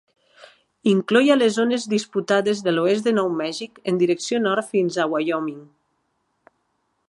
Incloïa les zones disputades de l'oest de Nou Mèxic en direcció nord fins a Wyoming.